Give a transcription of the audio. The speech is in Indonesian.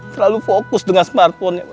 terlalu fokus dengan smartphone nya